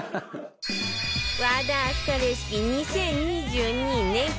和田明日香レシピ２０２２年間